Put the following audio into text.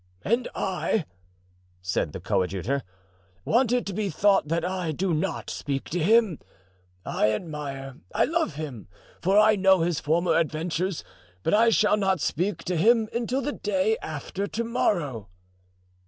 "And I," said the coadjutor, "want it to be thought that I do not speak to him. I admire, I love him—for I know his former adventures—but I shall not speak to him until the day after to morrow."